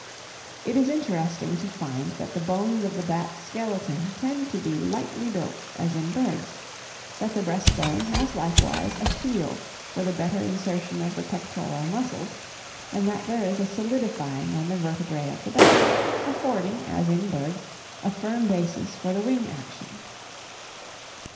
It is interesting to find that the bones of the bat's skeleton tend to be lightly built as in birds, that the breast bone has likewise a keel for the better insertion of the pectoral muscles, and that there is a solidifying of the vertebræ of the back, affording as in birds a firm basis for the wing action.